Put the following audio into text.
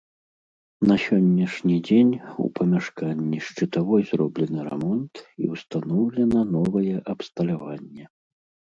На сённяшні дзень у памяшканні шчытавой зроблены рамонт і ўстаноўлена новае абсталяванне.